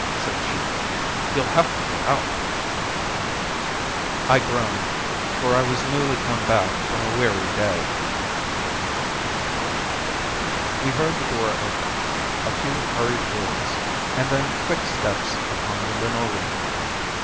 said she. "You'll have to go out." I groaned, for I was newly come back from a weary day. We heard the door open, a few hurried words, and then quick steps upon the linoleum.